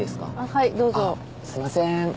はいどうぞあっすいません